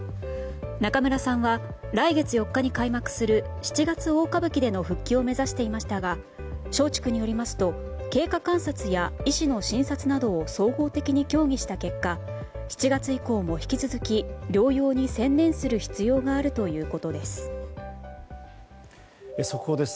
中村さんは来月４日に開幕する「七月大歌舞伎」での復帰を目指していましたが松竹によりますと経過観察や医師の診断などを総合的に協議した結果７月以降も引き続き療養に専念する必要があるということです。